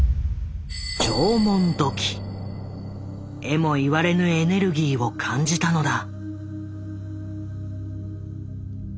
えも言われぬエネルギーを感じたのだ。